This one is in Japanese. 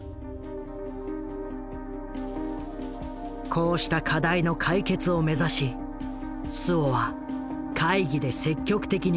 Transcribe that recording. こうした課題の解決を目指し周防は会議で積極的に発言した。